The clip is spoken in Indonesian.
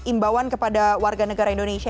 imbauan kepada warga negara indonesia